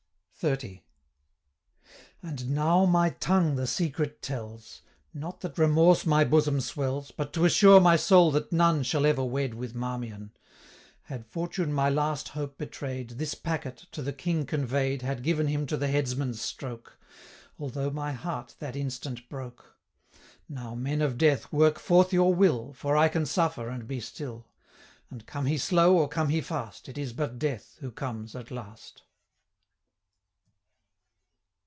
XXX. 'And now my tongue the secret tells, Not that remorse my bosom swells, But to assure my soul that none Shall ever wed with Marmion. 560 Had fortune my last hope betray'd, This packet, to the King convey'd, Had given him to the headsman's stroke, Although my heart that instant broke. Now, men of death, work forth your will, 565 For I can suffer, and be still; And come he slow, or come he fast, It is but Death who comes at last.